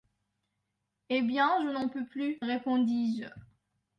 Eh bien, je n’en peux plus, répondis-je.